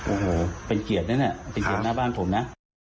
โอโหเป็นเกรียดเนี่ยนะเป็นเกรียดหน้าบ้านผมนะ